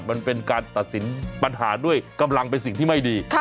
มันเป็นการตัดสินปัญหาด้วยกำลังเป็นสิ่งที่ไม่ดี